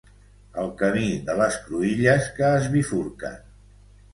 El camí de les cruïlles que es bifurquen.